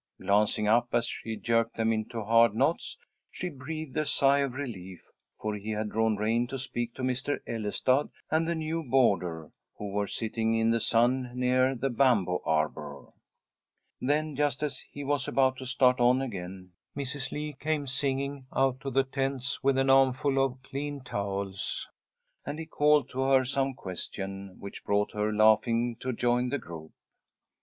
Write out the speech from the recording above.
Glancing up as she jerked them into hard knots, she breathed a sigh of relief, for he had drawn rein to speak to Mr. Ellestad and the new boarder, who were sitting in the sun near the bamboo arbour. Then, just as he was about to start on again, Mrs. Lee came singing out to the tents with an armful of clean towels, and he called to her some question, which brought her, laughing, to join the group.